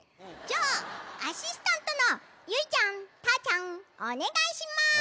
じゃあアシスタントのゆいちゃんたーちゃんおねがいします。